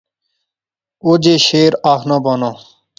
اوہے جے شعر آخنا بانا